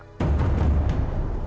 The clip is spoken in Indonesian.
dedeknya ada tiga kantor polisi